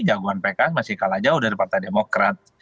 jagoan pks masih kalah jauh dari partai demokrat